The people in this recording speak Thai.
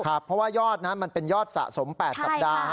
เพราะว่ายอดนั้นมันเป็นยอดสะสม๘สัปดาห์